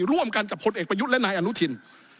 ร่วมกันกับผลเอกประยุทธ์และนายอนุทิน